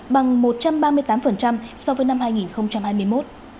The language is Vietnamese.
bằng một trăm ba mươi tám so với năm hai nghìn hai mươi một